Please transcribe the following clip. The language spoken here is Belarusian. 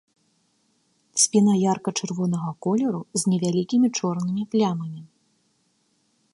Спіна ярка-чырвонага колеру з невялікімі чорнымі плямамі.